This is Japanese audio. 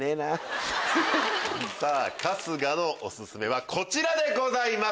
さぁ春日のおすすめはこちらでございます。